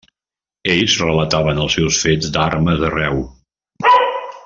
Ells relataven els seus fets d'armes arreu.